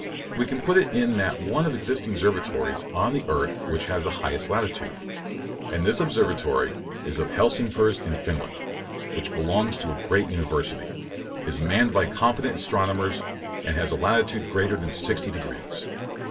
We can put it in that one of existing observatories on the earth which has the highest latitude; and this is the observatory of Helsingfors, in Finland, which belongs to a great university, is manned by competent astronomers, and has a latitude greater than 60 degrees.